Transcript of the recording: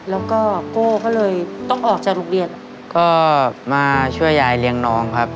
แล้วก็โก้ก็เลยต้องออกจากโรงเรียนก็มาช่วยยายเลี้ยงน้องครับ